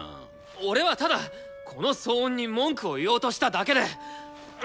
俺はただこの騒音に文句を言おうとしただけで！